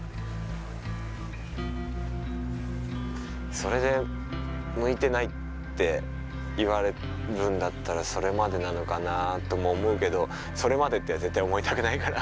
それで向いてないって言われるんだったらそれまでなのかなとも思うけどそれまでって絶対思いたくないから。